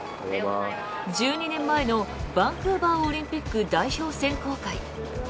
１２年前のバンクーバーオリンピック代表選考会。